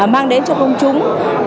mang đến cho công chúng